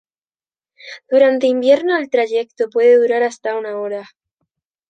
Durante invierno el trayecto puede durar hasta una hora.